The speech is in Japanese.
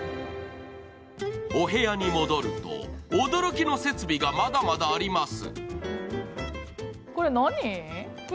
お部屋に戻ると、驚きの設備がまだまだあります。